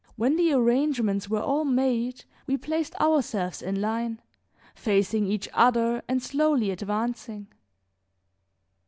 When the arrangements were all made we placed ourselves in line, facing each other and slowly advancing.